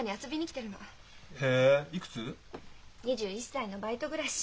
２１歳のバイト暮らし。